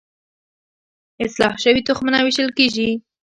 اصلاح شوي تخمونه ویشل کیږي.